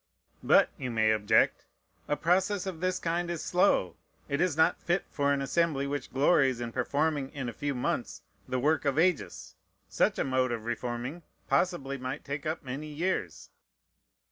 But you may object, "A process of this kind is slow. It is not fit for an Assembly which glories in performing in a few months the work of ages. Such a mode of reforming, possibly, might take up many years."